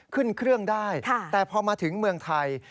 ขึ้นเครื่องได้แต่พอมาถึงเมืองไทย